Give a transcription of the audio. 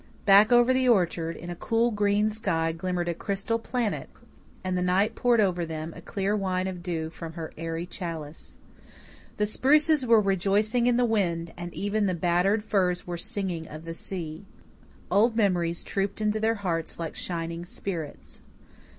Back over the orchard in a cool, green sky glimmered a crystal planet, and the night poured over them a clear wine of dew from her airy chalice. The spruces were rejoicing in the wind, and even the battered firs were singing of the sea. Old memories trooped into their hearts like shining spirits.